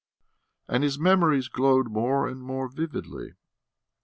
And his memories glowed more and more vividly.